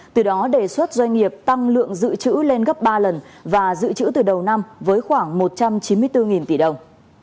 từ đó đề xuất doanh nghiệp tăng lượng dự trữ lên gấp ba lần và dự trữ từ đầu năm với khoảng một trăm chín mươi bốn tỷ đồng